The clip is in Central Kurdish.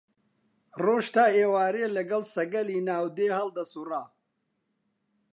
ڕۆژ تا ئێوارێ لەگەڵ سەگەلی ناو دێ هەڵدەسووڕا